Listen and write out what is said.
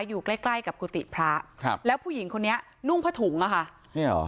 อยู่ใกล้ใกล้กับกุฏิพระครับแล้วผู้หญิงคนนี้นุ่งผ้าถุงอ่ะค่ะเนี่ยเหรอ